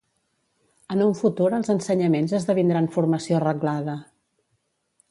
En un futur els ensenyaments esdevindran formació reglada.